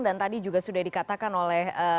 dan tadi juga sudah dikatakan oleh